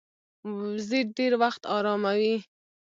وزې ډېر وخت آرامه وي